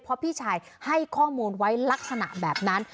เพราะพี่ชายให้ข้อมูลไว้ลักษณะแบบนั้น